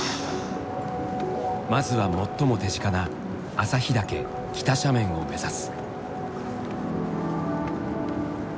まずは最も手近な旭岳北斜面を目指す。